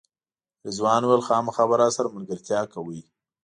رضوان وویل خامخا به راسره ملګرتیا کوئ.